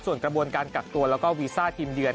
ส่วนกระบวนการกักตัวแล้วก็วีซ่าทีมเยือน